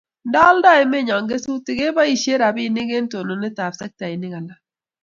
Nda alda emennyo kesutik rabinik kebaishe eng' totnet ab sektainik alak